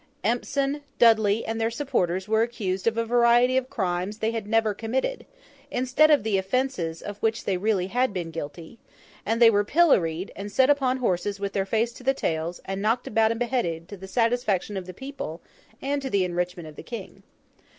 Empson, Dudley, and their supporters were accused of a variety of crimes they had never committed, instead of the offences of which they really had been guilty; and they were pilloried, and set upon horses with their faces to the tails, and knocked about and beheaded, to the satisfaction of the people, and the enrichment of the King.